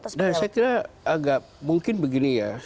saya kira agak mungkin begini ya